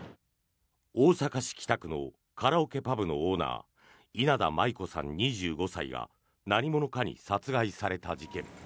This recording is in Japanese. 大阪市北区のカラオケパブのオーナー稲田真優子さん、２５歳が何者かに殺害された事件。